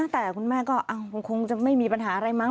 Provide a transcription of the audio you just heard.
แต่คุณแม่ก็คงจะไม่มีปัญหาอะไรมั้